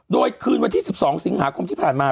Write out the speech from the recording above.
โดยคืนวันที่๑๒สิงหาคมที่ผ่านมา